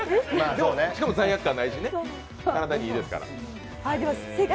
しかも罪悪感ないしね、体にいいですから。